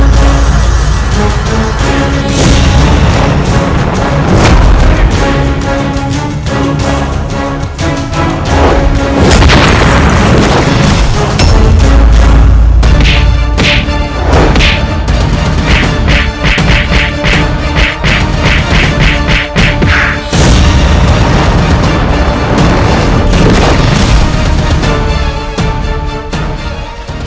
kau akan dicacau